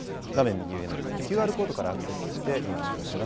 右上のＱＲコードからアクセスしてご覧いただけます。